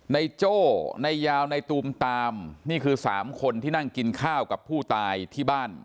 โจ้ในยาวในตูมตามนี่คือ๓คนที่นั่งกินข้าวกับผู้ตายที่บ้าน